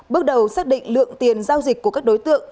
bước đầu xác định lượng tài liệu của các đối tượng